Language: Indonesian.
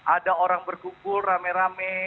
ada orang berkumpul rame rame